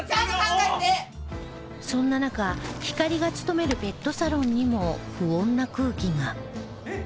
そんな中ひかりが勤めるペットサロンにも不穏な空気がえっ！？